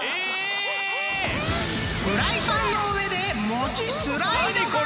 ［フライパンの上で餅スライド我流！］